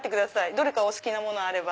どれかお好きなものあれば。